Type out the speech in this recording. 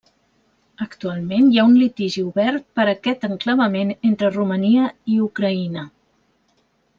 Actualment, hi ha un litigi obert per aquest enclavament entre Romania i Ucraïna.